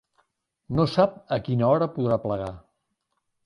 No sap a quina hora podrà plegar.